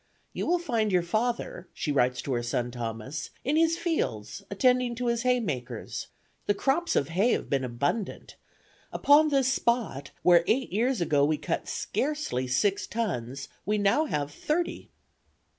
"You will find your father," she writes to her son Thomas, "in his fields, attending to his hay makers. ... The crops of hay have been abundant; upon this spot, where eight years ago we cut scarcely six tons, we now have thirty."